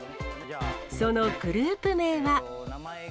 そのグループ名は。